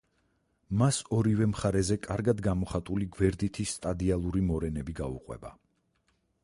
მას ორივე მხარეზე კარგად გამოხატული გვერდითი სტადიალური მორენები გაუყვება.